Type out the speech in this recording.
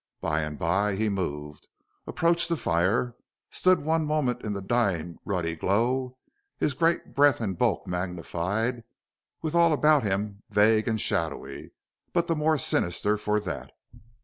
By and by he moved, approached the fire, stood one moment in the dying ruddy glow, his great breadth and bulk magnified, with all about him vague and shadowy, but the more sinister for that.